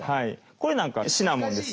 これなんかはシナモンです。